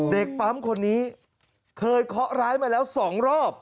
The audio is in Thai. เด็กปั๊มคนนี้เคยเคาะร้ายมาแล้ว๒รอบ